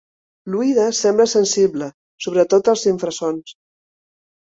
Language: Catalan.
L'oïda sembla sensible sobretot als infrasons.